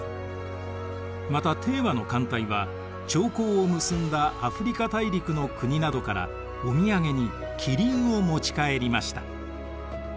また和の艦隊は朝貢を結んだアフリカ大陸の国などからお土産にキリンを持ち帰りました。